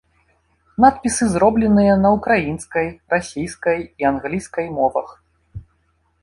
Надпісы зробленыя на ўкраінскай, расійскай і англійскай мовах.